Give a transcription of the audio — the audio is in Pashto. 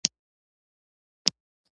ناروغي د بدن عادي فعالیت خرابوي.